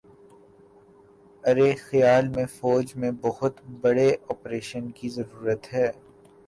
ارے خیال میں فوج میں بہت بڑے آپریشن کی ضرورت ہے